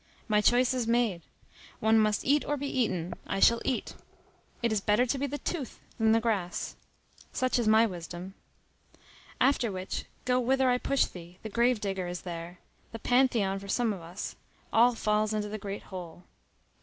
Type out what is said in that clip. My choice is made. One must eat or be eaten. I shall eat. It is better to be the tooth than the grass. Such is my wisdom. After which, go whither I push thee, the grave digger is there; the Pantheon for some of us: all falls into the great hole.